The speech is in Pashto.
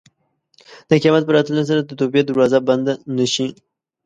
د قیامت په راتلو سره د توبې دروازه بنده نه شي.